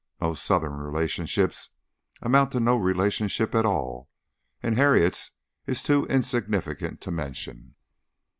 Most Southern relationships amount to no relationship at all, and Harriet's is too insignificant to mention."